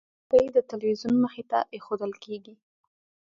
چوکۍ د تلویزیون مخې ته ایښودل کېږي.